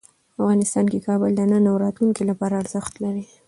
افغانستان کې کابل د نن او راتلونکي لپاره ارزښت لري.